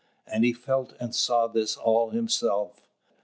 And he felt and saw this all himself.